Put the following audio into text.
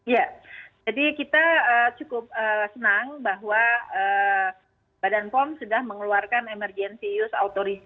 ya jadi kita cukup senang bahwa badan pom sudah mengeluarkan emergensius autorisasi